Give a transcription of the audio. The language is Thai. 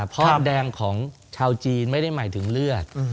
เพราะแดงของชาวจีนไม่ได้หมายถึงเลือด